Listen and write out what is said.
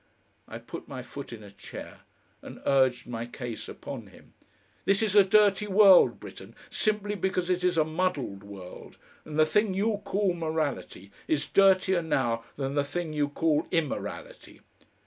I put my foot in a chair, and urged my case upon him. "This is a dirty world, Britten, simply because it is a muddled world, and the thing you call morality is dirtier now than the thing you call immorality.